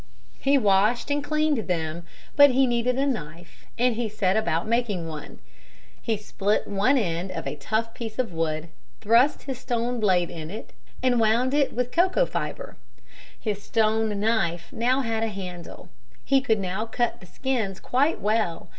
He washed and cleaned them, but he needed a knife and he set about making one. He split one end of a tough piece of wood, thrust his stone blade in it and wound it with cocoa fibre. His stone knife now had a handle. He could now cut the skins quite well.